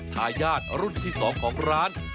ทายาทรุ่นที่๒ของร้าน